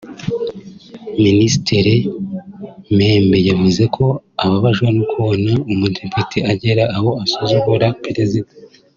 Minisitiri Membe yavuze ko ababajwe no kubona umudepite agera aho asuzugura perezida